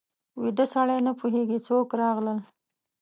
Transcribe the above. ویده سړی نه پوهېږي څوک راغلل